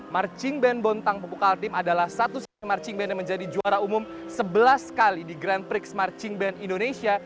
marching band bontang pupuk altim adalah satu si marching band yang menjadi juara umum sebelas kali di grand prix marching band indonesia